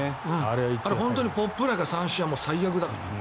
あれは本当にポップフライとかは三振最悪だから。